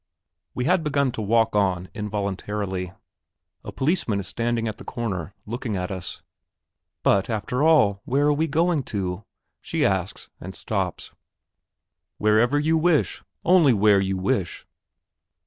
We had begun to walk on involuntarily. A policeman is standing at the corner, looking at us. "But, after all, where are we going to?" she asks, and stops. "Wherever you wish; only where you wish."